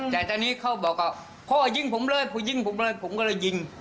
แต่ตอนนี้เขาบอกว่าพ่อยิงผมเลยพอยิงผมเลยผมก็เลยยิง